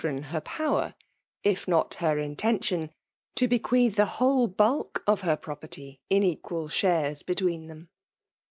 4ren her ix>wer« if not hw intention; to be^ queath the whole bulk of her property in equal sbftfea^tweea them.